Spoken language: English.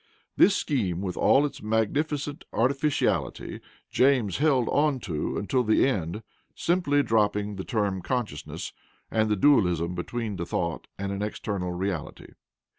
This scheme, with all its magnificent artificiality, James held on to until the end, simply dropping the term consciousness and the dualism between the thought and an external reality"(p.